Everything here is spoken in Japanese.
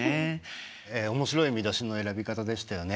面白い見出しの選び方でしたよね。